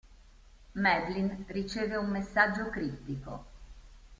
Madeline riceve un messaggio criptico.